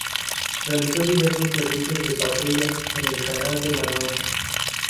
Realizó diversos servicios de patrulla en el Canal de La Mancha.